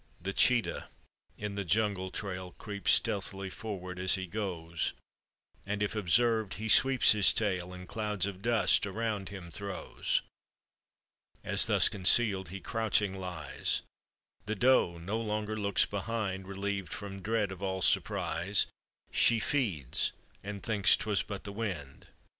The cheetah in the jungle trail Creeps stealthy forward as he goes, And, if observed, he sweeps his tail And clouds of dust around him throws. As, thus concealed, he crouching lies, The doe no longer looks behind; Reliev'd from dread of all surprise She feeds and thinks 'twas but the wind.